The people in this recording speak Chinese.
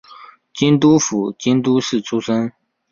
京都府京都市出身。